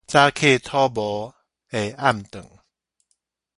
早起討無下暗頓